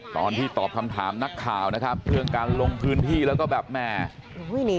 ตอนที่ตอบคำถามนักข่าวนะครับเรื่องการลงพื้นที่แล้วก็แบบแหม